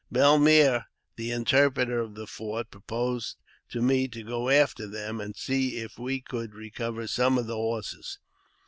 Bellemaire, the interpreter of the fort, proposed to me to go after them, and see if we could recover some of the horses.